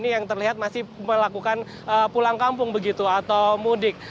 yang terlihat masih melakukan pulang kampung begitu atau mudik